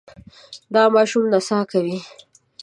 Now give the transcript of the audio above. دا ماشوم نڅا کوي.